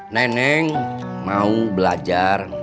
neneng mau belajar